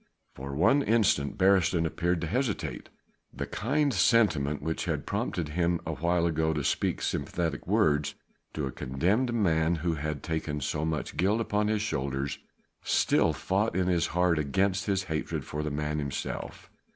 For one instant Beresteyn appeared to hesitate. The kindly sentiment which had prompted him awhile ago to speak sympathetic words to a condemned man who had taken so much guilt upon his shoulders, still fought in his heart against his hatred for the man himself.